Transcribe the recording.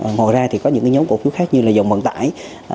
ngồi ra thì có những nhóm cổ phiếu khác như là dòng vận tải